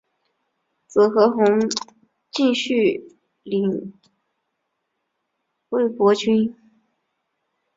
子何弘敬续领魏博军。